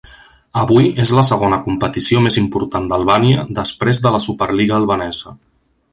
Avui és la segona competició més important d'Albània després de la Superliga albanesa.